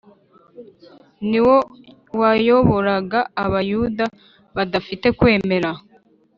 niwo wayoboraga abayahudi badafite kwemera